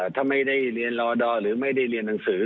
ถ้าไม่ได้เรียนรอดอร์หรือไม่ได้เรียนหนังสือ